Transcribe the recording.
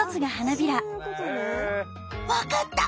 わかった！